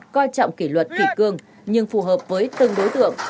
coi trọng kỷ luật kỷ cương nhưng phù hợp với từng đối tượng